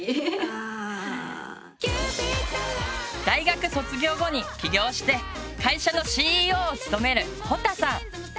大学卒業後に起業して会社のＣＥＯを務めるほたさん。